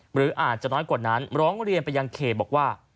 หรืออาจจะน้อยกว่านั้นร้องเรียนไปยังเคบอกว่า